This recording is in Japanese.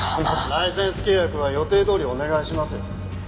ライセンス契約は予定どおりお願いしますよ先生。